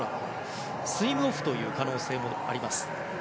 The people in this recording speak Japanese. スイムオフという可能性もあります。